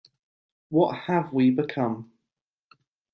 What have we become?